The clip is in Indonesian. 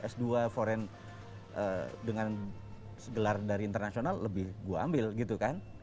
s dua foreign dengan gelar dari internasional lebih gue ambil gitu kan